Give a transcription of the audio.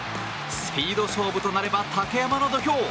スピード勝負となれば竹山の土俵。